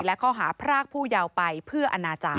และข้อหาพรากผู้เยาว์ไปเพื่ออนาจารย